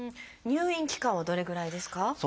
入院期間はどれぐらいですか？